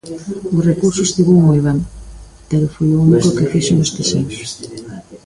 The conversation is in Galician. O recurso estivo moi ben pero foi o único que fixo neste senso.